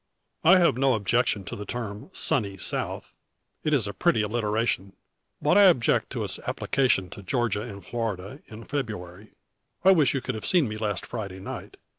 "I have no objection to the term 'sunny South;' it is a pretty alliteration: but I object to its application to Georgia and Florida in February. I wish you could have seen me last Friday night.